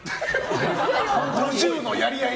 ５０のやり合い？